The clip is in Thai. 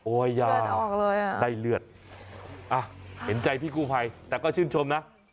ยาวเลยอ่ะได้เลือดอ่ะเห็นใจพี่กู้ภัยแต่ก็ชื่นชมนะ